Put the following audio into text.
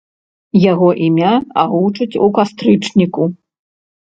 Яго імя агучаць у кастрычніку.